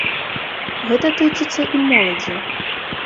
Гэта тычыцца і моладзі.